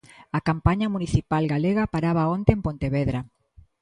A campaña municipal galega paraba onte en Pontevedra.